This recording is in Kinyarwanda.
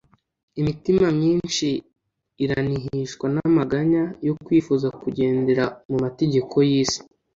Imitima myinshi iranihishwa n'amanganya yo kwifuza kugendera mu mategeko y'isi.